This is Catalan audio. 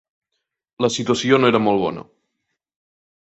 La situació no era molt bona.